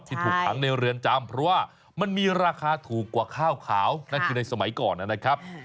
ที่ทุกครั้งในเรือนจำเพราะว่ามันมีราคาถูกกว่าข้าวขาวในสมัยก่อนนั้นนะครับ